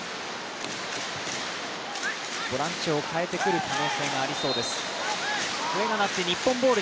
ボランチを代えてくる可能性がありそうです。